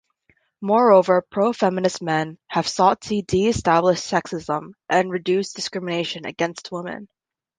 Moreover, profeminist men have sought to deestablish sexism and reduce discrimination against women.